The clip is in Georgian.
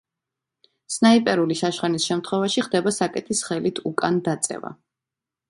სნაიპერული შაშხანის შემთხვევაში ხდება საკეტის ხელით უკან დაწევა.